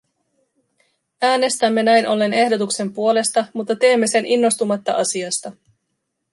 Äänestämme näin ollen ehdotuksen puolesta, mutta teemme sen innostumatta asiasta.